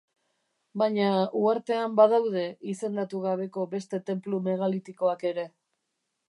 Baina uhartean badaude izendatu gabeko beste tenplu megalitikoak ere.